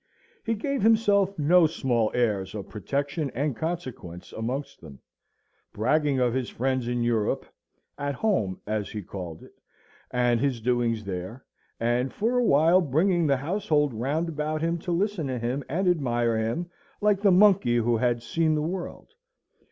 He gave himself no small airs of protection and consequence amongst them; bragging of his friends in Europe ("at home," as he called it), and his doings there; and for a while bringing the household round about him to listen to him and admire him, like the monkey who had seen the world.